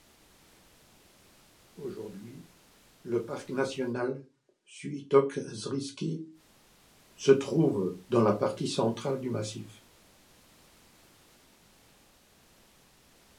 Aujourd'hui, le parc national Świętokrzyski se trouve dans la partie centrale du massif.